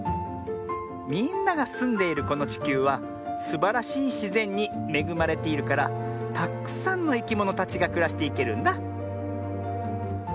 みんながすんでいるこのちきゅうはすばらしいしぜんにめぐまれているからたっくさんのいきものたちがくらしていけるんだ。